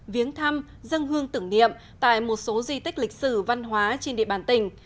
viếng thăm dân hương tưởng niệm tại một số di tích lịch sử văn hóa trên địa bàn tỉnh